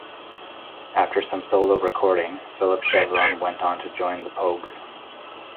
After some solo recording, Philip Chevron went on to join The Pogues.